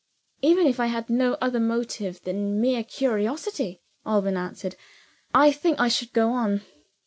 "Even if I had no other motive than mere curiosity," Alban answered, "I think I should go on.